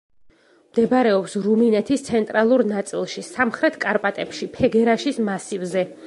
მდებარეობს რუმინეთის ცენტრალურ ნაწილში, სამხრეთ კარპატებში, ფეგერაშის მასივზე.